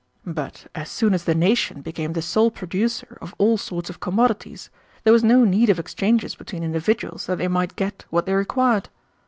But as soon as the nation became the sole producer of all sorts of commodities, there was no need of exchanges between individuals that they might get what they required.